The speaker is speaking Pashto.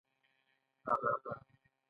الماري د پتلون او کمیس مناسب ځای دی